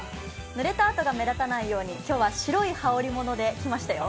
ぬれたあとが目立たないように、今日は白い羽織り物で来ましたよ。